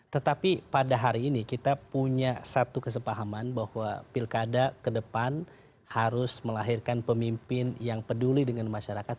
tetapi pada hari ini kita punya satu kesepahaman bahwa pilkada ke depan harus melahirkan pemimpin yang peduli dengan masyarakat